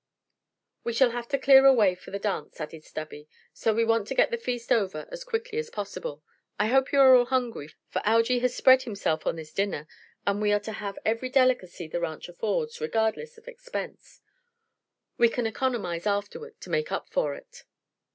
"We shall have to clear away for the dance," added Stubby, "so we want to get the feast over with as quickly as possible. I hope you are all hungry, for Algy has spread himself on this dinner and we are to have every delicacy the ranch affords, regardless of expense. We can economize afterward to make up for it."